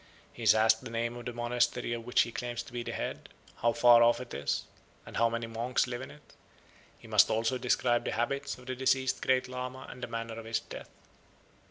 He is asked the name of the monastery of which he claims to be the head, how far off it is, and how many monks live in it; he must also describe the habits of the deceased Grand Lama and the manner of his death.